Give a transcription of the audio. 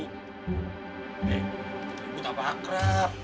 hei ribut apa akrab